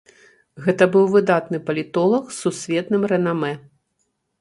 Гэта быў выдатны палітолаг з сусветным рэнамэ.